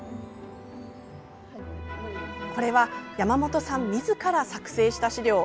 これは山本さんみずから作成した資料。